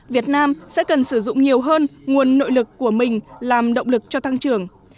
việt nam sẽ cần sử dụng nhiều hơn nguồn nội lực của mình làm động lực cho tăng trưởng